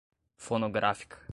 fonográfica